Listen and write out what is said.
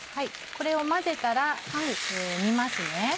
これを混ぜたら煮ますね。